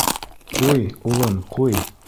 Ҡуй, улым, ҡуй!